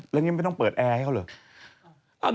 แล้วนี่ไม่ต้องเปิดแอร์ให้เขาเหรอ